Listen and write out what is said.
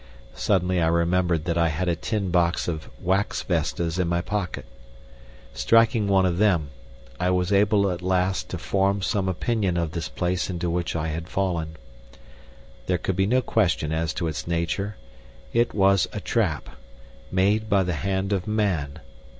Suddenly I remembered that I had a tin box of wax vestas in my pocket. Striking one of them, I was able at last to form some opinion of this place into which I had fallen. There could be no question as to its nature. It was a trap made by the hand of man.